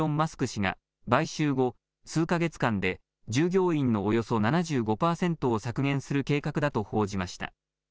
氏が、買収後数か月間で従業員のおよそ７５％を削減する計画だと報じました。